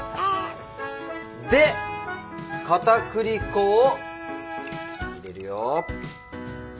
でかたくり粉を入れるよ。